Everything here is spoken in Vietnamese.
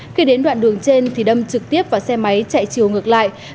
khi đến đoạn đường trên thì đâm trực tiếp vào xe máy chạy chiều ngược lại